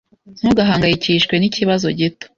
Ntugahangayikishwe nikibazo gito.